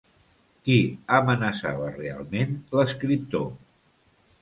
Qui amenaçava realment l’escriptor?